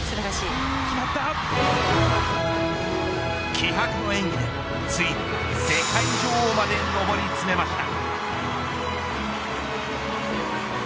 気迫の演技でついに世界女王まで上り詰めました。